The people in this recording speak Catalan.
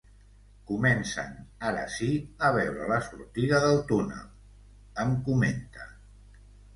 Comencen, ara sí, a veure la sortida del túnel, em comenta.